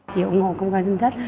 chị ủng hộ công khai danh sách